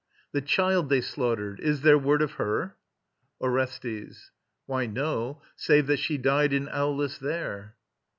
The child they slaughtered ... is there word of her? ORESTES. Why, no, save that she died in Aulis there.